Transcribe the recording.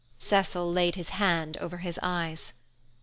Cecil laid his hand over his eyes.